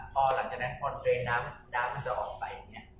พอหลังจากนั้นพอเตรนน้ำน้ำมันจะออกไปเนี่ย